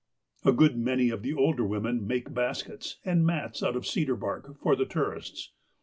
A good many of the older women make baskets and mats out of cedar bark, for the tourists.